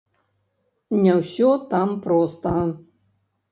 Не ўсё там проста.